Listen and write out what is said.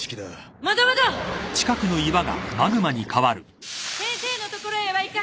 ・先生のところへは行かせないわ。